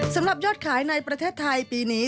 สำหรับยอดขายในประเทศไทยปีนี้